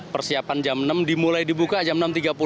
persiapan jam enam dimulai dibuka jam enam tiga puluh